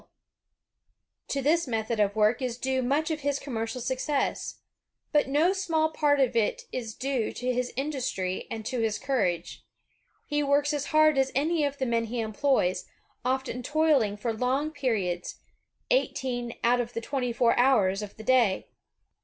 EDISON To this metinxi of work is due much of his commercial success. But no small part of it is due to his industry and to his courage. He works as hard as any of the men he employs, often toiling for long periods, eighteen out of the twenty four hours of the day.